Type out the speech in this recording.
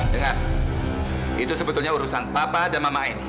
dengar itu sebetulnya urusan papa dan mama ini